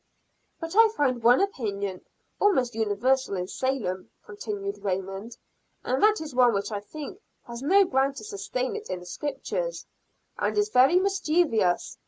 "But I find one opinion almost universal in Salem," continued Raymond, "and that is one which I think has no ground to sustain it in the scriptures, and is very mischievous.